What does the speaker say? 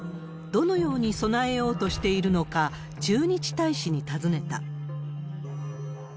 どのように備えようとしているのか、駐日大使に尋ねた。